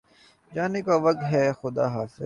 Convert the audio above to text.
جانے کا وقت ہےخدا حافظ